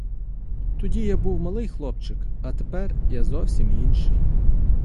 Тоді я був малий хлопчик, а тепер я зовсім інший.